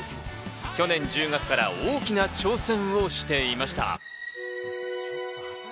去年１０月から大きな挑戦をしていました。